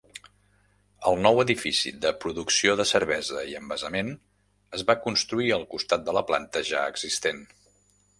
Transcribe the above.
El nou edifici de producció de cervesa i envasament es va construir al costat de la planta ja existent.